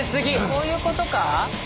こういうことか？